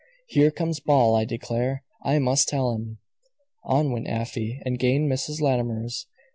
Here comes Ball, I declare! I must tell him." On went Afy, and gained Mrs. Latimer's.